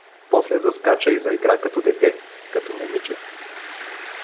После заскача и заигра, като дете, като момиче.